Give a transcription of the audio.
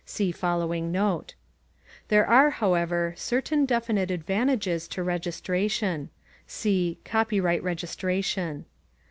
(See following Note.) There are, however, certain definite advantages to registration. See "Copyright Registration."